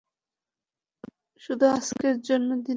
শুধু আজকের জন্য দিদি।